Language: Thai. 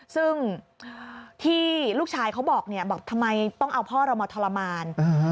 ซึ่งที่ลูกชายเขาบอกเนี่ยบอกทำไมต้องเอาพ่อเรามาทรมาน